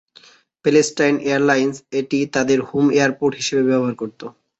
Palestine airlines এটি তাদের home airport হিসাবে ব্যবহার করত।